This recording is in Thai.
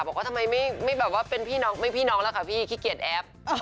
บอกว่าทำไมไม่พี่น้องละค่ะขี้เกียจแอบ